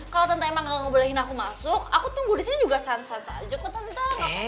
kalau tante emang ga bolehin aku masuk aku tunggu disini juga sans sans aja kok tante